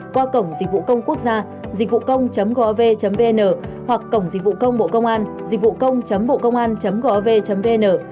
qua cổng dịch vụ công quốc gia hoặc cổng dịch vụ công bộ công an